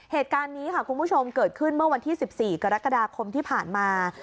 เหตุการณ์นี้ค่ะคุณผู้ชมเกิดขึ้นเมื่อวันที่๑๔กรกฎาคมที่ผ่านมา